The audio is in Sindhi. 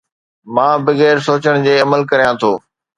مان بغير سوچڻ جي عمل ڪريان ٿو